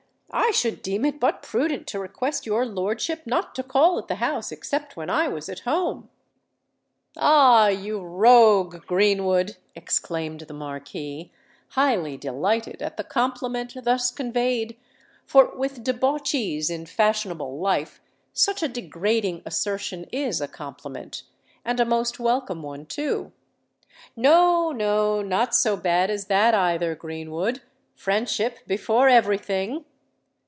I should deem it but prudent to request your lordship not to call at the house except when I was at home!" "Ah! you rogue, Greenwood!" exclaimed the Marquis, highly delighted at the compliment thus conveyed—for with debauchees in fashionable life such a degrading assertion is a compliment, and a most welcome one, too:—"no—no—not so bad as that, either, Greenwood. Friendship before every thing!"